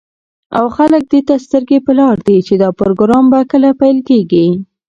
او خلك دېته سترگې په لار دي، چې دا پروگرام به كله پيل كېږي.